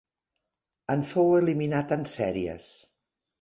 En fou eliminat en sèries.